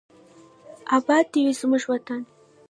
اباد دې وي زموږ وطن.